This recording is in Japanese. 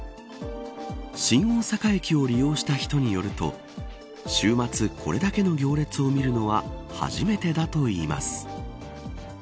新大阪駅を利用した人によると週末、これだけの行列を見るのは初めてだといいます。